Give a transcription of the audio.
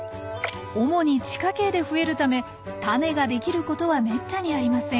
主に地下茎で増えるためタネができることはめったにありません。